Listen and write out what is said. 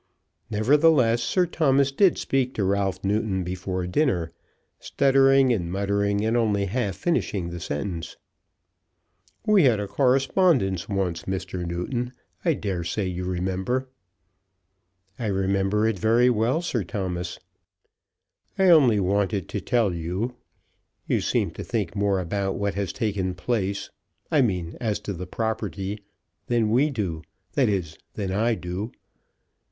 Nevertheless, Sir Thomas did speak to Ralph Newton before dinner, stuttering and muttering, and only half finishing his sentence. "We had a correspondence once, Mr. Newton. I dare say you remember." "I remember it very well, Sir Thomas." "I only wanted to tell you; you seem to think more about what has taken place, I mean as to the property, than we do; that is, than I do."